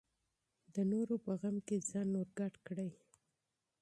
د نورو په غم کې ځان شریک کړئ.